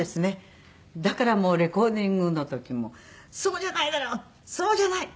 だからレコーディングの時も「そうじゃないだろそうじゃない。